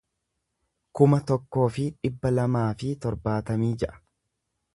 kuma tokkoo fi dhibba lamaa fi torbaatamii ja'a